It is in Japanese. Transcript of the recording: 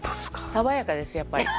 爽やかですやっぱり。